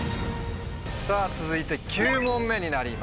さぁ続いて９問目になりますね。